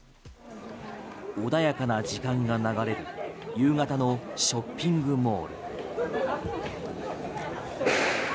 穏やかな時間が流れる夕方のショッピングモール。